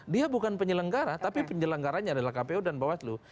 dia bukan penyelenggara tapi penyelenggaranya adalah kpu dan bawaslu